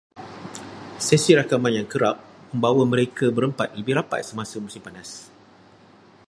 Sesi rakaman yang kerap membawa mereka berempat lebih rapat semasa musim panas